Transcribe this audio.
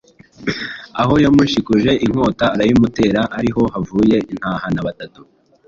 aho yamushikuje inkota arayimutera ari ho havuye intahana batatu